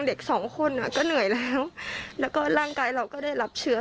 เด็กสองคนก็เหนื่อยแล้วแล้วก็ร่างกายเราก็ได้รับเชื้อ